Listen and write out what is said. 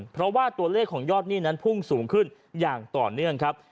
เพราะว่าตัวเลขของยอดหนี้นั้นพุ่งสูงขึ้นอย่างต่อเนื่องครับ